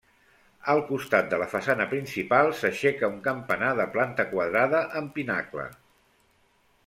Al costat de la façana principal s'aixeca un campanar de planta quadrada amb pinacle.